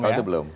kalau itu belum